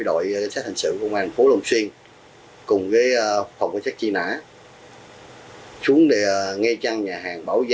đánh giá liên sát năng lực bệnh mạnh trên đường dây và dưới thang